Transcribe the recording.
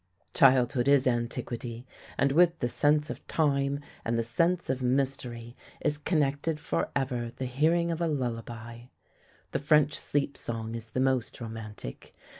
Childhood is antiquity, and with the sense of time and the sense of mystery is connected for ever the hearing of a lullaby. The French sleep song is the most romantic.